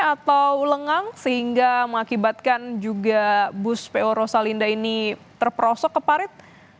atau lengang sehingga mengakibatkan juga bus pu rosalinda ini terperosok keparit